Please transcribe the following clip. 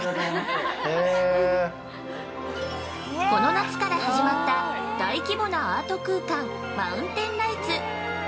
◆この夏から始まった大規模なアート空間「マウンテンライツ」。